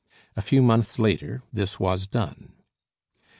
A few months later this was done.